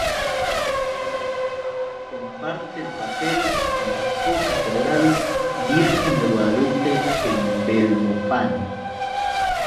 Comparte el papel con la Co-catedral Virgen de Guadalupe en Belmopán.